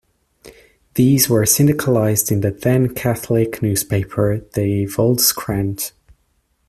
These were syndicalized in the then catholic newspaper de Volkskrant.